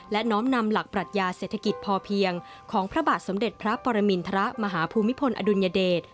และน้อมนำหลักปรัชญาเศรษฐกิจพอเพียงของพระบาทสมเด็จพระปรมินทรมาฮภูมิพลอดุลยเดช